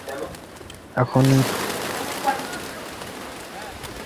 আমাকে প্রায়ই জিজ্ঞেস করা হয়, নিসার আলি বলে আসলেই কেউ আছে?